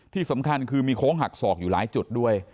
ที่สำคัญคือมีโค้งหักศอกอยู่หลายจุดด้วย